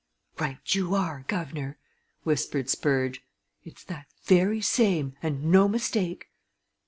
"Right you are, guv'nor," whispered Spurge. "It's that very same, and no mistake!